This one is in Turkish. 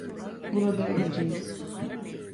Burada öleceğiz.